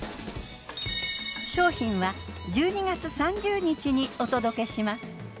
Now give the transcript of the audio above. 商品は１２月３０日にお届けします。